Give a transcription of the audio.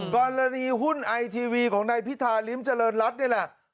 กรณีหุ้นไอทีวีของนายพิธาริมเจริญรัฐนี่แหละ